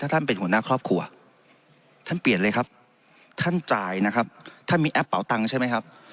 ท่านเป็นหัวหน้าครอบครัวท่านเปลี่ยนเลยครับท่านจ่ายนะครับท่านมีแอปเป่าตังค์ใช่ไหมครับ